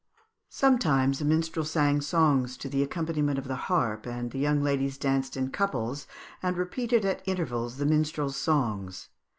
Sometimes a minstrel sang songs to the accompaniment of the harp, and the young ladies danced in couples and repeated at intervals the minstrel's songs.